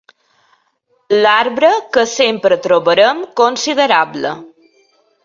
L'arbre que sempre trobarem considerable.